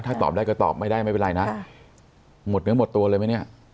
ถ้าตอบได้ก็ตอบไม่ได้ไม่เป็นไรนะหมดเนื้อหมดตัวเลยไหมเนี่ย